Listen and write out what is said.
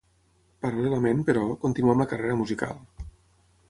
Paral·lelament, però, continuà amb la carrera musical.